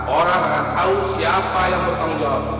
orang akan tahu siapa yang bertanggung jawab